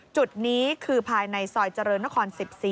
จุดนี้คือภายในซอยเจริญนคร๑๔